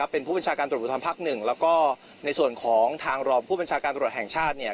เป็นผู้บัญชาการตำรวจภูทรภักดิ์หนึ่งแล้วก็ในส่วนของทางรองผู้บัญชาการตรวจแห่งชาติเนี่ย